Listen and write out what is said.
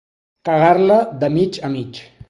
Cagar-la de mig a mig.